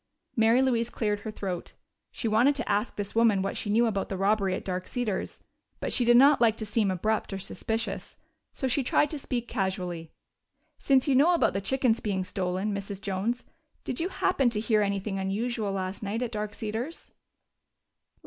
Mary Louise cleared her throat. She wanted to ask this woman what she knew about the robbery at Dark Cedars, but she did not like to seem abrupt or suspicious. So she tried to speak casually. "Since you know about the chickens being stolen, Mrs. Jones, did you happen to hear anything unusual last night at Dark Cedars?"